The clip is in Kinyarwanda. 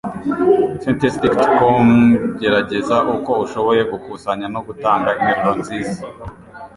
Sentencedictcom gerageza uko ushoboye gukusanya no gutanga interuro nziza